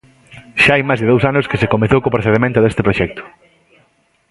Xa hai máis de dous anos que se comezou co procedemento deste proxecto.